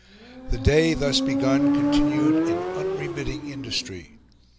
The day, thus begun, continued in unremitting industry.